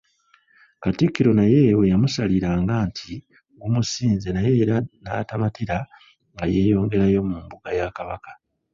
Katikkiro naye bwe yamusaliranga nti gumusinga naye era n’atamatira nga yeeyongerayo mu mbuga ya Kabaka.